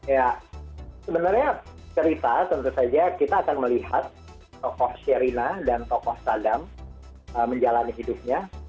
ya sebenarnya cerita tentu saja kita akan melihat tokoh sherina dan tokoh sadam menjalani hidupnya